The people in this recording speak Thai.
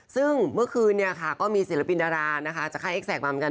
ซึ่งเมื่อคืนก็มีศิลปินดารานะคะแค่เอกแสกมาเหมือนกัน